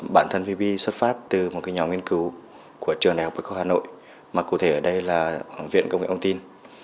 bản thân vb xuất phát từ một nhóm nghiên cứu của trường đại học bắc khâu hà nội mà cụ thể ở đây là viện công nghệ ông tin